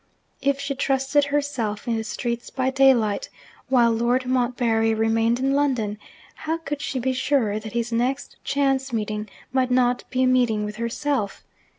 If she trusted herself in the streets by daylight while Lord Montbarry remained in London, how could she be sure that his next chance meeting might not be a meeting with herself?